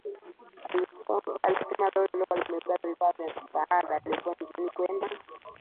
Alisema lori lililokuwa limebeba vifaa vya msaada lilikuwa njiani kwenda